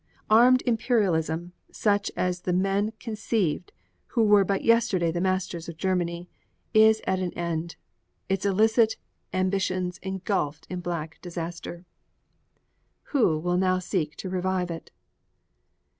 Armed imperialism such as the men conceived who were but yesterday the masters of Germany is at an end, its illicit ambitions engulfed in black disaster. Who will now seek to revive it?